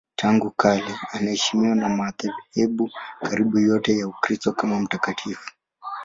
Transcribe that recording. Tangu kale anaheshimiwa na madhehebu karibu yote ya Ukristo kama mtakatifu.